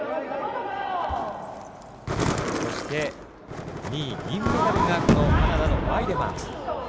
そして、２位銀メダルがカナダのワイデマン。